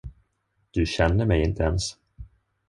Du känner mig inte ens.